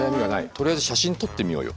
とりあえず写真撮ってみようよ。